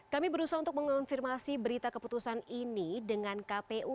kami berusaha untuk mengonfirmasi berita keputusan ini dengan kpu